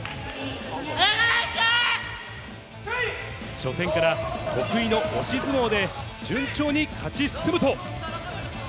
初戦から得意の押し相撲で順調に勝ち進むと。